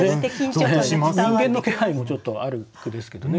人間の気配もちょっとある句ですけどね